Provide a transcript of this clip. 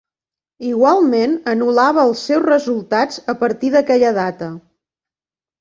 Igualment anul·lava els seus resultats a partir d'aquella data.